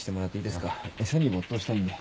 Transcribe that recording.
書に没頭したいんで。